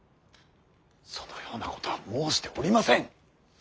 そのようなことは申しておりません。